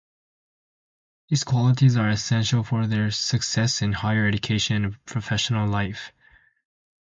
These qualities are essential for their success in higher education and professional life.